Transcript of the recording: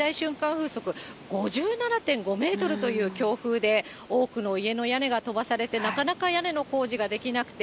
風速５７．５メートルという強風で、多くの家の屋根が飛ばされて、なかなか屋根の工事ができなくて、